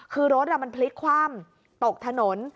คือรถมันพลิกคว่ำตกถนน